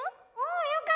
およかった！